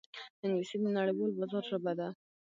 انګلیسي د نړیوال بازار ژبه ده